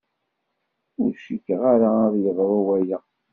Ur cikkeɣ ara ad d-yeḍru waya!